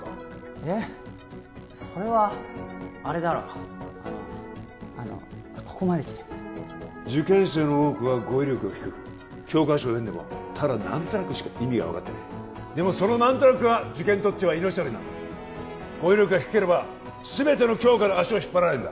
えっそれはあれだろあのあのここまで来てんだ受験生の多くは語彙力が低く教科書を読んでもただ何となくしか意味が分かってないでもその何となくが受験にとっては命取りなんだ語彙力が低ければ全ての教科で足を引っ張られるんだ